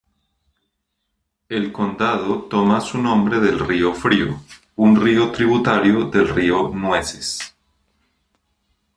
El condado toma su nombre del río Frío, un río tributario del río Nueces.